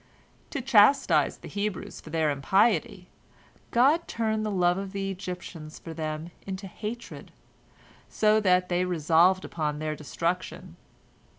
To chastise the Hebrews for their impiety, God turned the love of the Egyptians for them into hatred, so that they resolved upon their destruction.